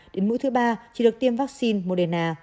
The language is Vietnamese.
đến mũi thứ ba chỉ được tiêm vaccine moderna